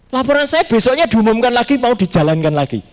laporan saya besoknya diumumkan lagi mau dijalankan lagi